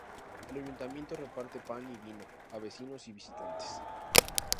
El ayuntamiento reparte pan y vino a vecinos y visitantes.